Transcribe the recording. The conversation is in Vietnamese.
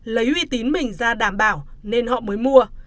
lấy uy tín mình ra đảm bảo nên họ mới mua